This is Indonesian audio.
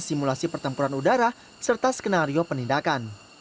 simulasi pertempuran udara serta skenario penindakan